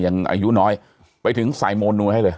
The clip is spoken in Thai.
ยังอายุน้อยไปถึงใส่โมนูให้เลย